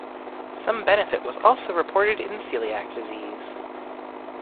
Some benefit was also reported in coeliac disease.